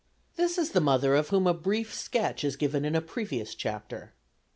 This is the mother of whom a brief sketch is given in a previous chapter.